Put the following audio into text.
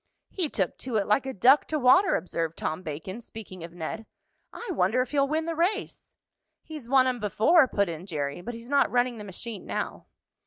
"He took to it like a duck to water," observed Tom Bacon, speaking of Ned. "I wonder if he'll win the race." "He's won 'em before," put in Jerry, "but he's not running the machine now."